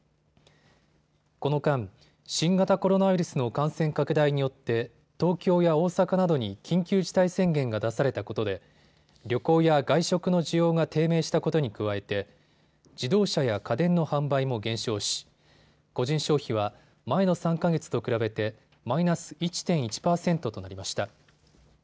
この間、新型コロナウイルスの感染拡大によって東京や大阪などに緊急事態宣言が出されたことで旅行や外食の需要が低迷したことに加えて自動車や家電の販売も減少し、個人消費は前の３か月と比べてマイナス１．１％となりました。